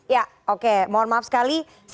waktu kita sudah habis